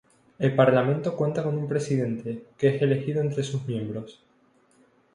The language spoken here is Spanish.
El parlamento cuenta con un presidente, que es elegido entre sus miembros.